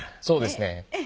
そうですね